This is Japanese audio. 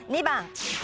２番。